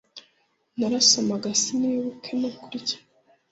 . Narasomaga sinibuke no kurya